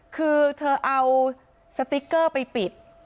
คือเธอเอาสติ๊กเกอร์ไปปิด